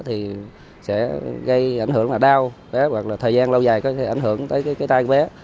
thì sẽ gây ảnh hưởng là đau hoặc là thời gian lâu dài có thể ảnh hưởng tới cái tai vé